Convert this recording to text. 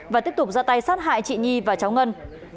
và tiếp tục ra tay sát hại chị nhi và cháu ngân